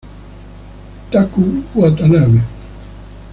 Taku Watanabe